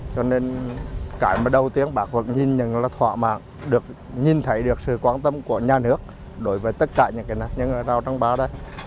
cho nên cái đầu tiên bác vẫn nhìn nhận là thoả mạng nhìn thấy được sự quan tâm của nhà nước đối với tất cả những người nào trong bà đây